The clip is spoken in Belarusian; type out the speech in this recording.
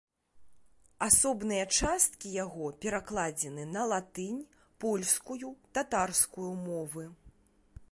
Асобныя часткі яго перакладзены на латынь, польскую, татарскую мовы.